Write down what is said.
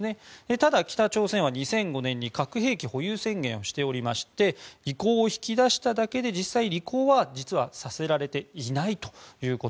ただ、北朝鮮は２００５年に核兵器保有宣言をしていまして意向を引き出しただけで実際履行はさせられていないと。